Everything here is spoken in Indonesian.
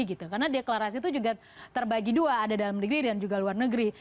karena deklarasi itu juga terbagi dua ada dalam negeri dan juga luar negeri